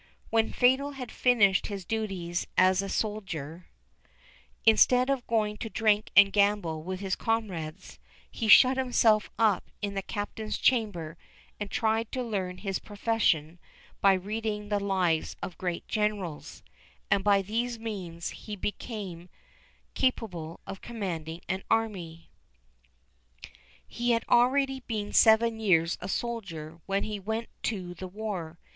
When Fatal had finished his duties as a soldier, instead of going to drink and gamble with his comrades, he shut himself up in the Captain's chamber and tried to learn his profession by reading the lives of great Generals, and by these means he became capable of commanding an army. He had already been seven years a soldier when he went to the war.